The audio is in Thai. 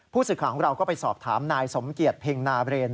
ผู้ศึกของเราก็ไปสอบถามนายสมเกียรติเพ็งนาเบรน